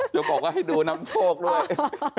จะบอกว่าให้ดูนำโชคด้วย